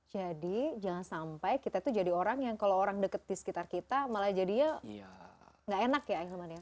jadi jangan sampai kita tuh jadi orang yang kalau orang dekat di sekitar kita malah jadinya enggak enak ya